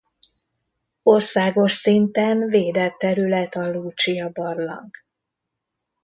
Országos szinten védett terület a Lucsia-barlang.